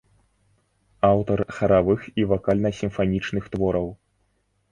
Аўтар харавых і вакальна-сімфанічных твораў.